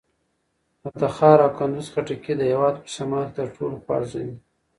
د تخار او کندوز خټکي د هېواد په شمال کې تر ټولو خوږ دي.